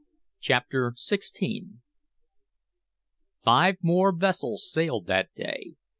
CHAPTER XVI Five more vessels sailed that day.